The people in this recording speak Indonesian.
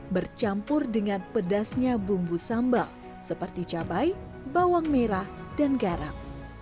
bercampur dengan pedasnya bumbu sambal seperti cabai bawang merah dan garam